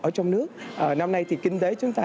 ở trong nước năm nay thì kinh tế chúng ta